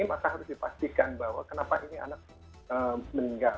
maka harus dipastikan bahwa kenapa ini anak meninggal